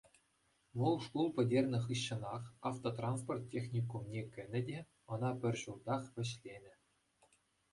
Вӑл шкул пӗтернӗ хыҫҫӑнах автотранспорт техникумне кӗнӗ те ӑна пӗр ҫултах вӗҫленӗ.